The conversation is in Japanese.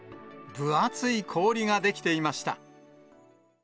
分厚い氷が出来ていました。